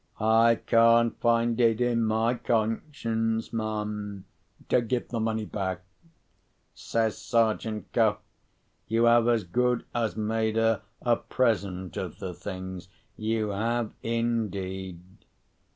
"I can't find it in my conscience, ma'am, to give the money back," says Sergeant Cuff. "You have as good as made her a present of the things—you have indeed."